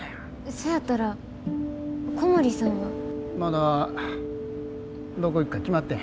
そやったら小森さんは。まだどこ行くか決まってへん。